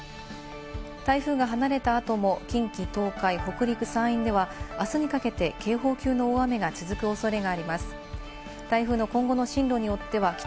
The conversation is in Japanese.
台風が離れた後も、近畿、東海、北陸、山陰ではあすにかけて警報級の大雨が続く恐れ雨。